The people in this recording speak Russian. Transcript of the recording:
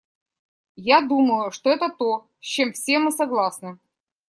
Я думаю, что это то, с чем все мы согласны.